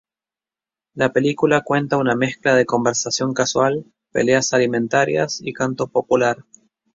La película cuenta una mezcla de conversación casual, peleas alimentarias, y canto popular.